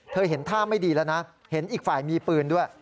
เห็นท่าไม่ดีแล้วนะเห็นอีกฝ่ายมีปืนด้วย